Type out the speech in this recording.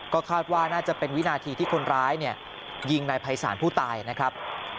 ก็คาดว่าน่าจะเป็นวินาทีที่คนร้ายยิงนายภัยศาลผู้ตายนะครับ